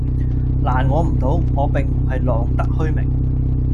難我唔到，我並唔係浪得虛名